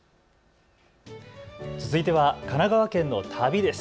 続いては神奈川県の旅です。